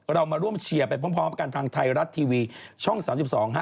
เรามาร่วมเชียร์ไปพร้อมกันทางไทยรัฐทีวีช่อง๓๒ฮะ